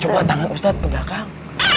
coba tangan ustaz belakang